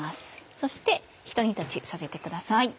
そしてひと煮立ちさせてください。